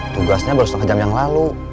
tugasnya baru setengah jam yang lalu